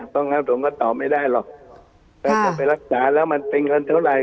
ต้องครับผมก็ตอบไม่ได้หรอกค่ะถ้าจะไปรักษาแล้วมันเป็นเงินเท่าไร